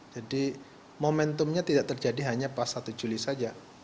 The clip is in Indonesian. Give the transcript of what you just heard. jadi momentumnya tidak terjadi hanya pas satu juli saja